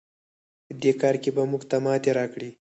په دې کار کې به موږ ته ماتې راکړئ.